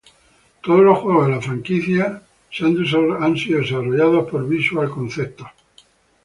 Todos los juegos de la franquicia han sido desarrollados por Visual Concepts.